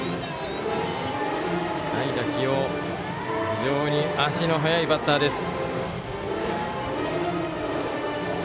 非常に足の速いバッターです。